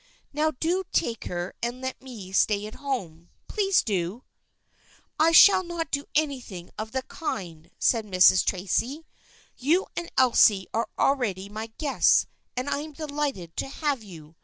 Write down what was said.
Now do take her and let me stay at home. Please do !"" I shall not do anything of the kind," said Mrs. Tracy. " You and Elsie are already my guests and I am delighted to have you.